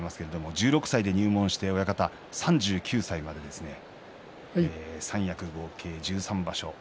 １６歳で入門して３９歳まで三役合計１３場所。